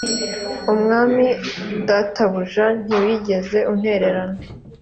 umwami databuja ntiwigeze untererana